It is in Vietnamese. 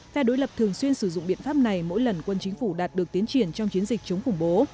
phe đối lập thường xuyên sử dụng biện pháp này mỗi lần quân chính phủ đạt được tiến triển trong chiến dịch chống khủng bố